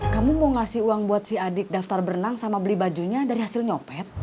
kamu mau ngasih uang buat si adik daftar berenang sama beli bajunya dari hasil nyopet